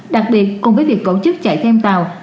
đặc biệt cùng với việc tổ chức chạy thêm tàu